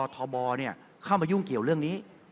ท่อบอร์เนี่ยเข้ามายุ่งเกี่ยวเรื่องนี้